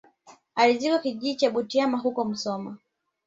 Alizikwa kijiji cha Butiama huko musoma